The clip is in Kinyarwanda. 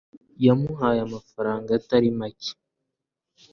yamuhaye amafaranga atari make